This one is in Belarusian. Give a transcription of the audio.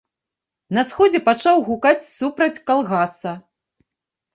На сходзе пачаў гукаць супроць калгаса.